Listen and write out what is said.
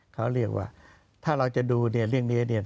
เขาเรียกว่าถ้าเราจะดูเรื่องนี้